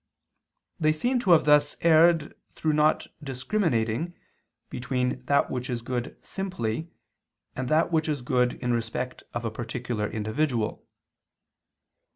They seem to have thus erred through not discriminating between that which is good simply, and that which is good in respect of a particular individual.